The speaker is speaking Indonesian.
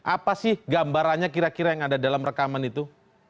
apa sih gambarannya kira kira yang ada dalam rekaman itu